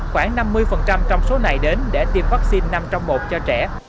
khoảng năm mươi trong số này đến để tiêm vaccine năm trong một cho trẻ